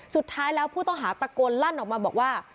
สุดท้ายแล้วผู้ต้องหาตะโกนลั่นออกมาบอกว่า